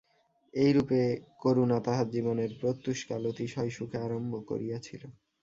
এইরূপে করুণা তাহার জীবনের প্রত্যুষকাল অতিশয় সুখে আরম্ভ করিয়াছিল।